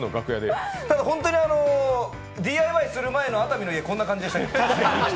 ただホントにＤＩＹする前の熱海の家、こんな感じでした。